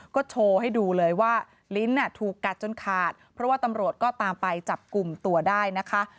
ก็โชว์ให้ดูเลยว่าลิ้นถูกกัดจนขาดเพราะว่าตำรวจก็ตามไปจับกลุ่มตัวได้นะคะ